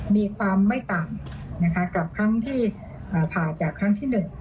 มีความไม่ต่ำนะคะกับครั้งที่ผ่าจากครั้งที่๑